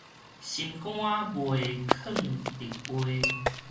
心肝袂囥得話